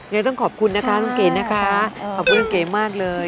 ยังต้องขอบคุณนะคะต้องเกลียดนะคะอ๋อขอบคุณต้องเกลียดมากเลย